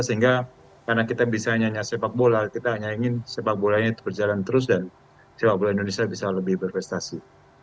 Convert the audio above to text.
sehingga karena kita bisa hanya sepak bola kita hanya ingin sepak bolanya berjalan terus dan sepak bola indonesia bisa lebih berprestasi